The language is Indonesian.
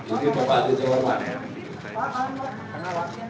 ini pak aditya warman